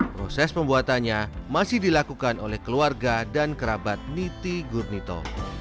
proses pembuatannya masih dilakukan oleh keluarga dan kerabat niti gurnito